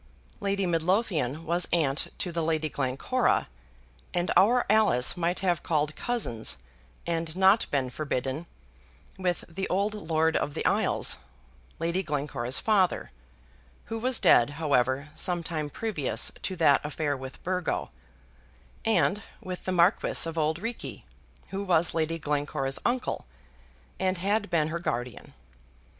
Lady Midlothian was aunt to the Lady Glencora, and our Alice might have called cousins, and not been forbidden, with the old Lord of the Isles, Lady Glencora's father, who was dead, however, some time previous to that affair with Burgo, and with the Marquis of Auld Reekie, who was Lady Glencora's uncle, and had been her guardian.